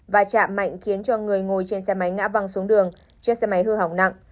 và chạm mạnh khiến cho người ngồi trên xe máy ngã văng xuống đường chiếc xe máy hư hỏng nặng